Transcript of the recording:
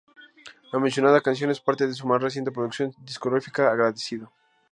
La mencionada canción es parte de su más reciente producción discográfica, "Agradecido".